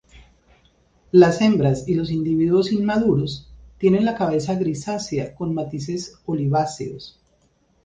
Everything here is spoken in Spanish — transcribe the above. Las hembras y los individuos inmaduros tienen la cabeza grisácea con matices oliváceos.